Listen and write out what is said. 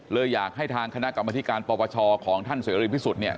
เลยอยากให้ทางคณะกรรมพิธีการปวชของท่านสวยรีบที่สุดเนี่ย